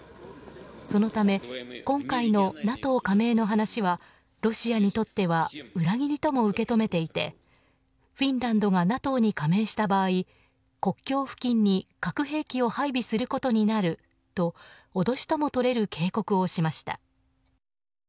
そのため今回のＮＡＴＯ加盟の話はロシアにとっては裏切りとも受け止めていてフィンランドがＮＡＴＯに加盟した場合国境付近に核兵器を配備することになると脅しともとれる警告をしました。